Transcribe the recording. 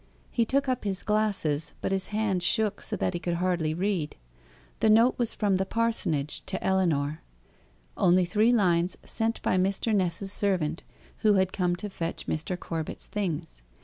He took up his glasses, but his hand shook so that he could hardly read. The note was from the Parsonage, to Ellinor; only three lines sent by Mr. Ness's servant, who had come to fetch Mr. Corbet's things.